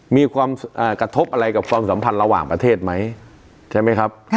มีความกระทบอะไรกับความสัมพันธ์ระหว่างประเทศไหมใช่ไหมครับ